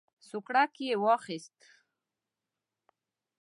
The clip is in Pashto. سوکړک یې واخیست.